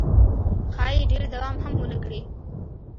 ښایي ډېر دوام هم ونه کړي.